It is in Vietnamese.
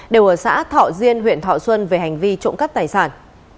đều ở xã thọ diên huyện thọ xuân về hành vi trộm cắp tài sản